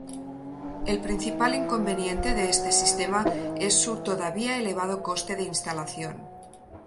El principal inconveniente de este sistema es su todavía elevado coste de instalación.